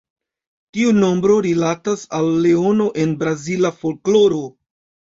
Tiu nombro rilatas al Leono en brazila folkloro.